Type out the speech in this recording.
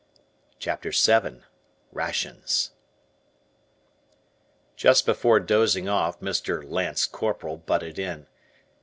CHAPTER VII RATIONS Just before dozing off, Mr. Lance Corporal butted in.